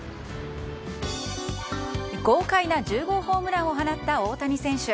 豪快な１０号ホームランを放った大谷選手。